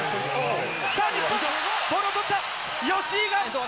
さあ日本、ボールをとった、吉井が。